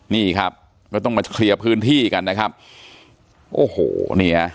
นี่ครับก็ต้องมาเคลียร์พื้นที่กันนะครับโอ้โหเนี่ย